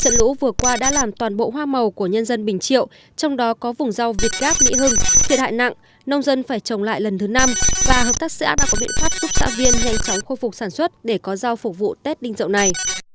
trận lũ vừa qua đã làm toàn bộ hoa màu của nhân dân bình triệu trong đó có vùng rau việt gáp mỹ hưng thiệt hại nặng nông dân phải trồng lại lần thứ năm và hợp tác xã đã có biện pháp giúp xã viên nhanh chóng khôi phục sản xuất để có rau phục vụ tết đinh dậu này